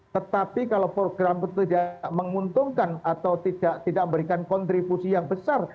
tetapi kalau program itu tidak menguntungkan atau tidak memberikan kontribusi yang besar